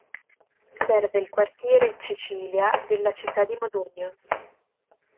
Serve il quartiere Cecilia della città di Modugno.